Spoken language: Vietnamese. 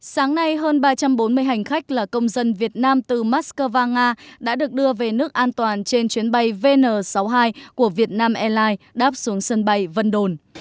sáng nay hơn ba trăm bốn mươi hành khách là công dân việt nam từ moscow nga đã được đưa về nước an toàn trên chuyến bay vn sáu mươi hai của việt nam airlines đáp xuống sân bay vân đồn